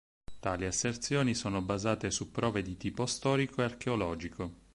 Tali asserzioni sono basate su prove di tipo storico e archeologico.